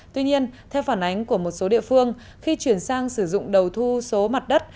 tuy nhiên theo phản ánh của một số địa phương khi chuyển sang sử dụng đầu thu số mặt đất